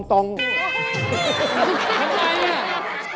อะไรนี่